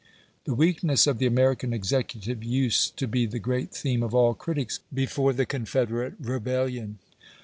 The weakness of the American executive used to be the great theme of all critics before the Confederate rebellion.